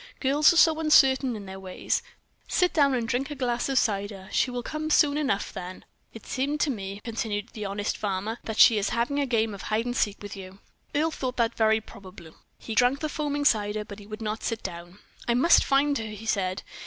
Girls are so uncertain in their ways. Sit down and drink a glass of cider, she will come soon enough then. It seems to me," continued the honest farmer, "that she is having a game of hide and seek with you." Earle thought that very probable. He drank the foaming cider, but he would not sit down. "I must find her," he said.